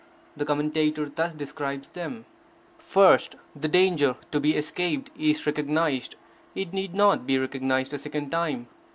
The commentator thus describes them: First, the danger to be escaped is recognized; it need not be recognized a second time.